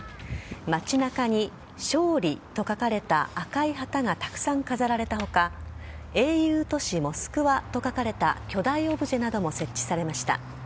街中に勝利と書かれた赤い旗がたくさん飾られた他英雄都市・モスクワと書かれた巨大オブジェなども設置されました。